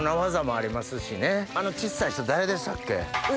あの小っさい人誰でしたっけ？